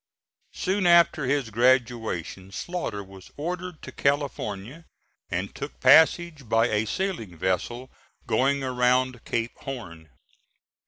Soon after his graduation, Slaughter was ordered to California and took passage by a sailing vessel going around Cape Horn.